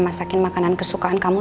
masakin makanan kesukaan kamu